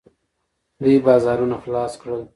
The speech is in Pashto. دوی بازارونه خلاص کړل.